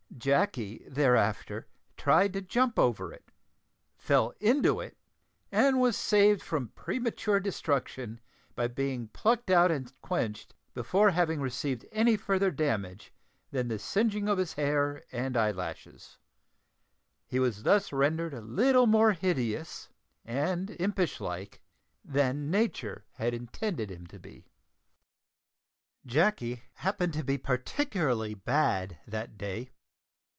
Jacky thereafter tried to jump over it, fell into it, and was saved from premature destruction by being plucked out and quenched before having received any further damage than the singeing of his hair and eyelashes. He was thus rendered a little more hideous and impish like than Nature had intended him to be. Jacky happened to be particularly bad that day.